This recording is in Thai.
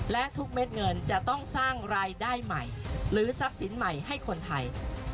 และทุกเม็ดเงินจะต้องสร้างรายได้ใหม่หรือทรัพย์สินใหม่ให้คนไทย